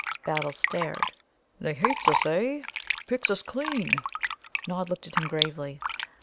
Battle stared. "They hates us, eh? Picks us clean!" Nod looked at him gravely.